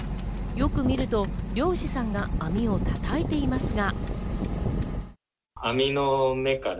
よく見ると漁師さんが網を叩いていますが。